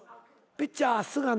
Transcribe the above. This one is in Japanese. ピッチャー菅野。